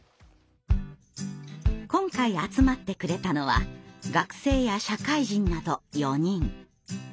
今回集まってくれたのは学生や社会人など４人。